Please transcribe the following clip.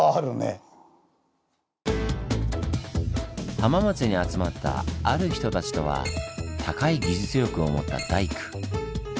浜松に集まった「ある人たち」とは高い技術力を持った大工。